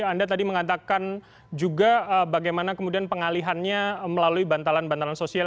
anda tadi mengatakan juga bagaimana kemudian pengalihannya melalui bantalan bantalan sosial